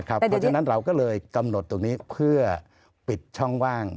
เพราะฉะนั้นเราก็เลยกำหนดตรงนี้เพื่อปิดช่องว่าง